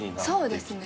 そうですね。